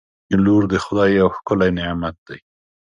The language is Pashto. • لور د خدای یو ښکلی نعمت دی.